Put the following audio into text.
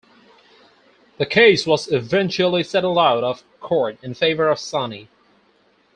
The case was eventually settled out of court in favor of Sony.